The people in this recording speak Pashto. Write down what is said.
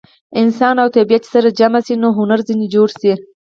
انسان او طبیعت چې سره جمع شي نو هنر ځینې جوړ شي.